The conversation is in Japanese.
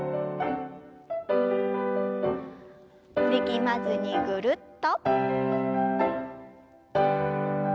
力まずにぐるっと。